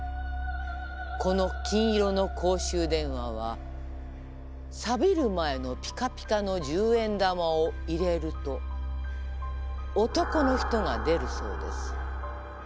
この金色の公衆電話はびる前のピカピカの十円玉を入れると男の人が出るそうです。